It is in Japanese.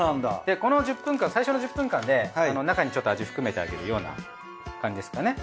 この１０分間最初の１０分間で中にちょっと味含めてあげるような感じですかね。